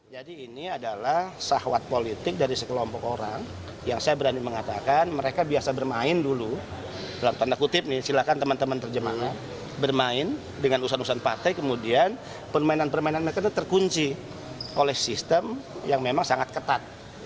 jadi ini adalah sahwat politik dari sekelompok orang yang saya berani mengatakan mereka biasa bermain dulu dalam tanda kutip nih silahkan teman teman terjemahnya bermain dengan usan usan partai kemudian permainan permainan mereka terkunci oleh sistem yang memang sangat ketat